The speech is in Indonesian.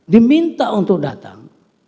diminta untuk datang